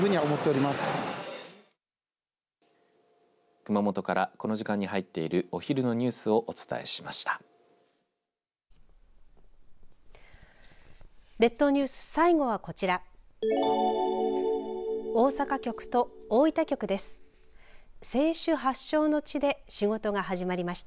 熊本から、この時間に入っているお昼のニュースをお伝えしました。